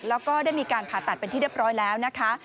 แล้วก็ได้มีการผ่าตัดเป็นที่เรียบร้อยแล้วนะคะ